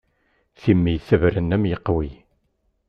Timi tebren am yeqwi.